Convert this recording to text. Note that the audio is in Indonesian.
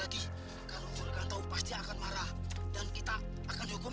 jika dibukul di batu bisa hancur